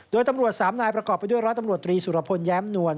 โดยตำรวจสามนายประกอบไปด้วยร้อยตำรวจตรีสุรพลแย้มนวล